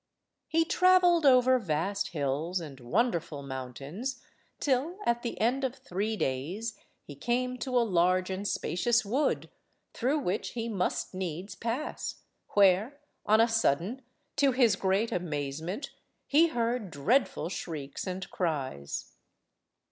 He travelled over vast hills and wonderful mountains till, at the end of three days, he came to a large and spacious wood, through which he must needs pass, where, on a sudden, to his great amazement, he heard dreadful shrieks and cries.